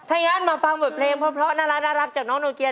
ถ้างั้นมาฟังบทเพลงเพราะน่ารักจากน้องโนเกีย